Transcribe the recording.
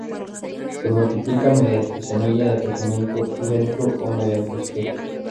Se multiplica mediante semilla, de crecimiento lento, o mediante esqueje.